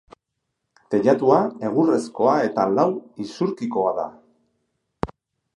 Teilatua egurrezkoa eta lau isurkikoa da.